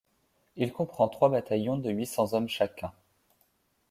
Il comprend trois bataillons de huit cents hommes chacun.